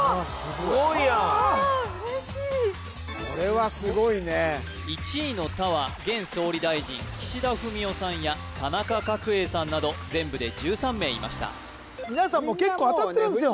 すごいやんあ嬉しいこれはすごいね１位の「田」は現総理大臣岸田文雄さんや田中角榮さんなど全部で１３名いました皆さんも結構当たってるんすよ